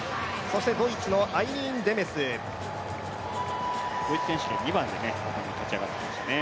ドイツのアイリーン・デメスドイツ選手権２番で勝ち上がってきましたね。